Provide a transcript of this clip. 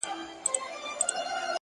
د ټپې په رزم اوس هغه ده پوه سوه-